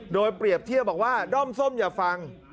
โดยเปรียบเทียบบอกว่าด้อมส้มอย่าฟัง